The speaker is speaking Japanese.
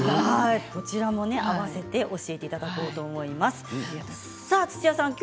こちらもあわせて教えていただこうと思います。